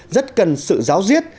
rất cần sự giáo diết